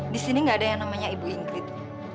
di sini gak ada yang namanya ibu ingrid